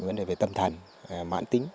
vấn đề về tâm thần mãn tính